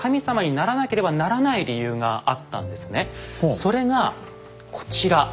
それがこちら。